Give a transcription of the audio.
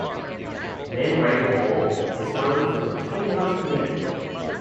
Ben Reifel Hall is home to the Performing Arts Community.